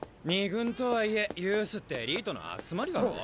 ２軍とはいえユースってエリートの集まりだろ？